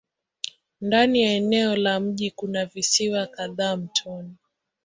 Ndani ya eneo la mji kuna visiwa kadhaa mtoni.